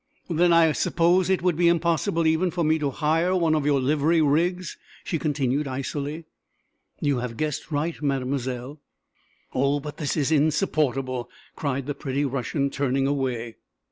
"Then I suppose it would be impossible, even, for me to hire one of your livery rigs?" she continued icily. "You have guessed right, Mademoiselle." "Oh, but this is insupportable!" cried the pretty Russian, turning away.